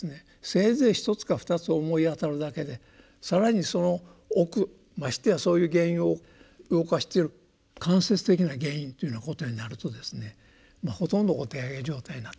せいぜい一つか二つ思い当たるだけで更にその奥ましてやそういう原因を動かしてる間接的な原因っていうようなことになるとですねほとんどお手上げ状態になってしまうと。